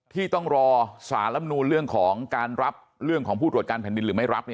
ที่ต้องรอสารลำนูนเรื่องของการรับเรื่องของผู้ตรวจการแผ่นดินหรือไม่รับ